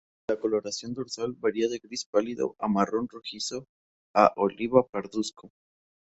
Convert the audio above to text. La coloración dorsal varía de gris pálido a marrón rojizo a oliva pardusco.